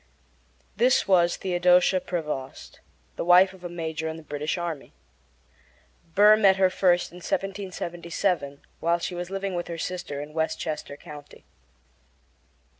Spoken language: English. This was Theodosia Prevost, the wife of a major in the British army. Burr met her first in 1777, while she was living with her sister in Westchester County.